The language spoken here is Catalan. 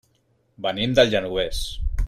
Venim del Genovés.